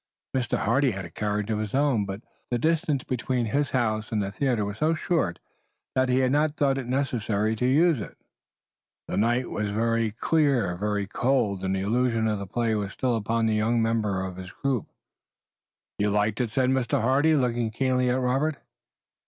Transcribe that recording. Mr. Hardy had a carriage of his own, but the distance between his house and the theater was so short that he had not thought it necessary to use it. The night was clear, very cold and the illusion of the play was still upon the younger members of his group. "You liked it?" said Mr. Hardy, looking keenly at Robert.